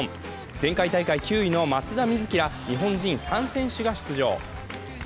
前回大会９位の松田瑞生ら日本人３選手が出場。